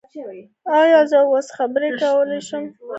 ایا زه اوس خبرې کولی شم؟